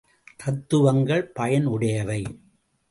தத்துவங்கள் பயன் உடையவை.